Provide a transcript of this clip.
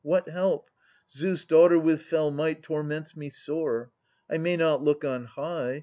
What help? Zeus' daughter with fell might Torments me sore. I may not look on high.